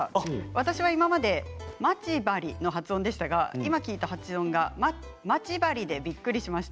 私は今までまち針で、平板でしたが今、聞いた発音は頭が高くてびっくりしました。